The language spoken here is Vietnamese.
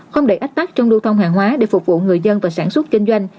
không để ách tắc trong lưu thông hàng hóa để phục vụ người dân và sản xuất kinh doanh